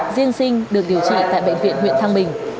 riêng sinh được điều trị tại bệnh viện huyện thăng bình